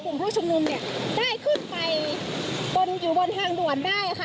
กลุ่มผู้ชมลงได้ขึ้นไปอยู่บนทางด่วนได้